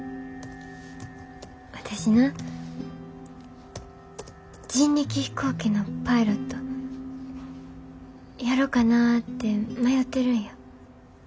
私な人力飛行機のパイロットやろかなて迷てるんや。